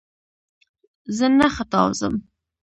زه نه ختاوزم !